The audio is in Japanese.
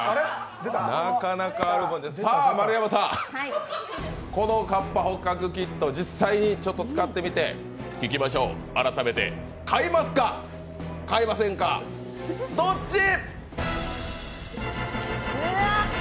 さあ、丸山さん、このカッパ捕獲キット実際に使ってみて聞きましょう、改めて。買いますか、買いませんかどっち！？